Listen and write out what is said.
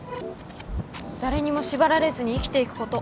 誰にも縛られずに生きていくこと。